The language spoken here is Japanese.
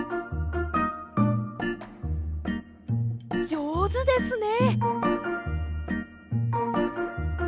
じょうずですね！